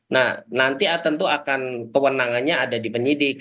nah nanti tentu akan kewenangannya ada di penyidik